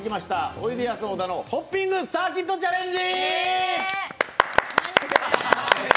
おいでやす小田のホッピングサーキットチャレンジ。